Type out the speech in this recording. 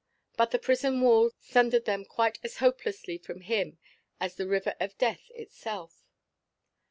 But the prison walls sundered them quite as hopelessly from him as the River of Death itself.